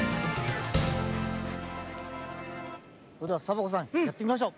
それではサボ子さんやってみましょう！